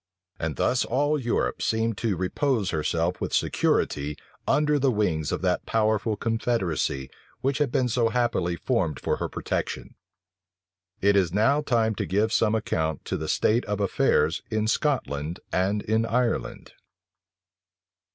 And thus all Europe seemed to repose herself with security under the wings of that powerful confederacy which had been so happily formed for her protection. It is now time to give some account of the state of affairs in Scotland and in Ireland.